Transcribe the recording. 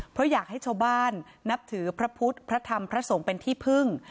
เพราะอยากให้ชาวบ้านนับถือพระพุทธพระธรรมพระสงฆ์เป็นที่พึ่ง